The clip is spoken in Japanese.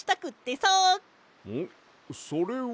それは。